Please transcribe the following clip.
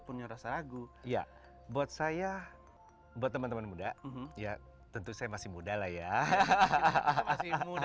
kan atau rasa ragu ya buat saya buat temen temen muda ya tentu saya masih muda lah ya hahaha